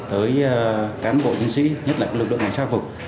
tới cán bộ chính sĩ nhất là lực lượng ngành xác phục